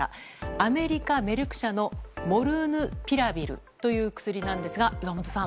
アメリカ、メルク社のモルヌピラビルという薬なんですが、岩本さん。